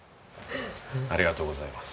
ありがとうございます。